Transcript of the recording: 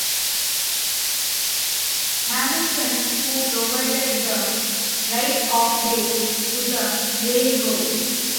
Hamilton, who provided the right-of-way to the railroad.